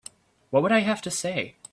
What would I have to say?